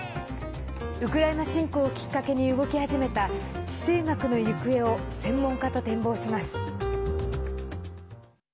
ウクライナ侵攻をきっかけに動き始めた地政学の行方を専門家と展望します。